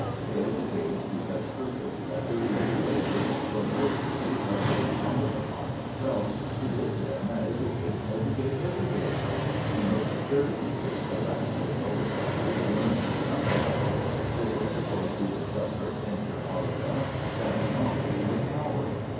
They educated to such purpose that thirty years later Lord Rosebery felt it incumbent upon himself to bid them educate, educate, educate! In those thirty years the rascally lower classes learned somewhat. They were supposed to discover, inter alia, that knowledge was power.